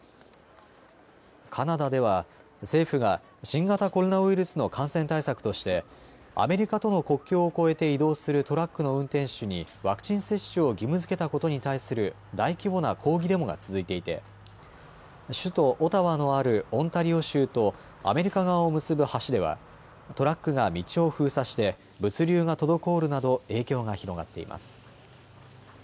カナダでは政府が新型コロナウイルスの感染対策としてアメリカとの国境を越えて移動するトラックの運転手にワクチン接種を義務づけたことに対する大規模な抗議デモが続いていて首都オタワのあるオンタリオ州とアメリカ側を結ぶ橋ではトラックが道を封鎖して物流が滞るなど影響が広がっています。